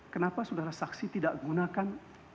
kenapa saudara saksi tidak gunakan